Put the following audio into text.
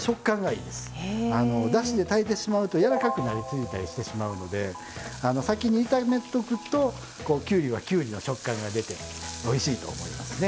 だしで炊いてしまうと柔らかくなりすぎたりしてしまうので先に炒めとくときゅうりはきゅうりの食感が出ておいしいと思いますね。